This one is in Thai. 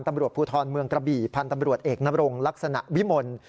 ตำรวจภูทรเมืองกระบี่พันธ์ตำรวจเอกนบรงลักษณะวิมล